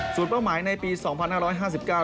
ส่วนเป้าหมายในปีสองพันห้าร้อยห้าสิบเก้า